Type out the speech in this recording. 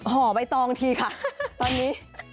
ห่อใบตองทีค่ะตอนนี้